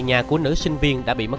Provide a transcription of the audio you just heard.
và sẽ có một số thông báo